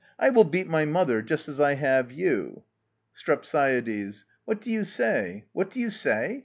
I shall beat my mother just as I have you. STREPSIADES. What do you say? what's that you say?